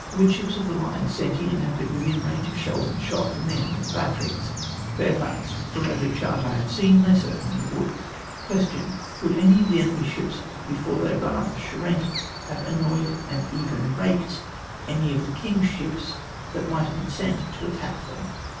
—" Would ships of the line sent in have been within range of shells and shot from the enemy's batteries ?" Me. Fairfax. —" From every chart I have seen they certainly would." Question. —" Could any of the enemy's ships before they run up the Charente have annoyed and raked (//)any of the king's shijjs that might have been sent to attack them